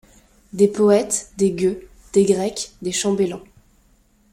Des poètes, des gueux, des grecs, des chambellans